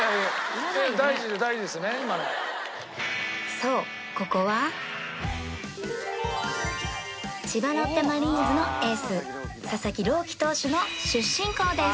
そうここは千葉ロッテマリーンズのエース佐々木朗希投手の出身校です